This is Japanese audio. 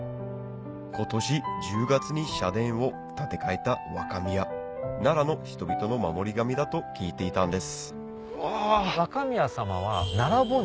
今年１０月に社殿を建て替えた若宮奈良の人々の守り神だと聞いていたんです